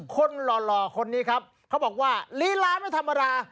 หล่อคนนี้ครับเขาบอกว่าลีลาไม่ธรรมดา